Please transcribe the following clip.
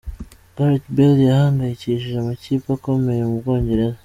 Gareth Bale yahangayikishije amakipe akomeye mu Bwongereza.